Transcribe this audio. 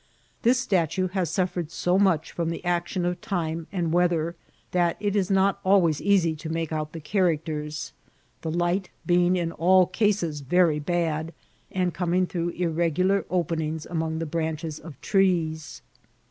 This statue had suffered so much from the action of time and weather, that it was not always easy to make out the characters, the light being in all cases very bad, and coming through irregular openings among the branches of trees.